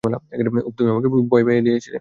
উফ, তুমি আমাকে ভয় পাইয়ে দিয়েছিলে!